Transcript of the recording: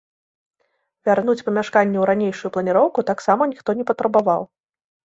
Вярнуць памяшканне ў ранейшую планіроўку таксама ніхто не патрабаваў.